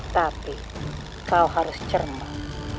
tapi kau harus cermat